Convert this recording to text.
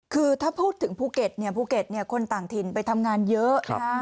คือถ้าพูดถึงภูเก็ตภูเก็ตคนต่างถิ่นไปทำงานเยอะ